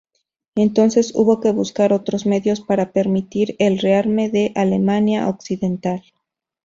Entonces hubo que buscar otros medios para permitir el rearme de Alemania Occidental.